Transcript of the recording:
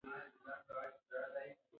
د ښځې خدمت د غزا ثواب لري.